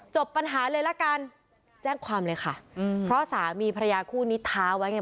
จบปัญหาเลยละกันแจ้งความเลยค่ะอืมเพราะสามีภรรยาคู่นี้ท้าไว้ไง